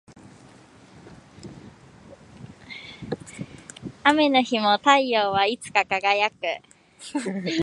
雨の日も太陽はいつか輝く